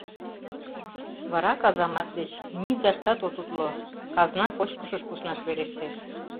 — Вара казамат деч низаштат от утло, казна кочкышыш куснаш верештеш...